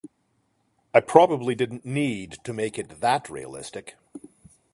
I probably didn’t need to make it that realistic.